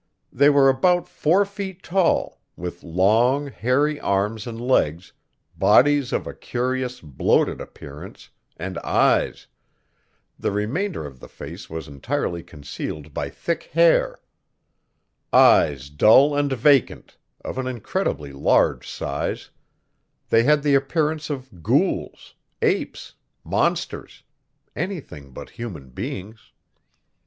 They were about four feet tall, with long, hairy arms and legs, bodies of a curious, bloated appearance, and eyes the remainder of the face was entirely concealed by thick hair eyes dull and vacant, of an incredibly large size; they had the appearance of ghouls, apes, monsters anything but human beings.